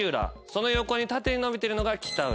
その横に縦にのびてるのが北浦。